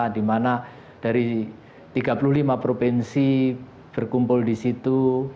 dimana dari tiga puluh lima provinsi berkumpul disitu